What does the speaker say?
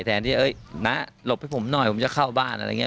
แทนที่น้าหลบให้ผมหน่อยผมจะเข้าบ้านอะไรอย่างนี้